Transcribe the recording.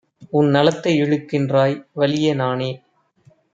உன்நலத்தை இழுக்கின்றாய்; வலிய நானே